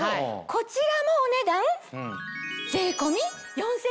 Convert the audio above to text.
こちらもお値段。